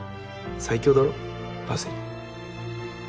最強だろパセリ。